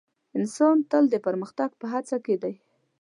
انسان تل د پرمختګ په هڅه کې دی.